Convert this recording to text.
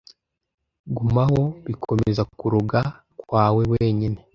Gumaho bikomeza kuroga kwawe wenyine: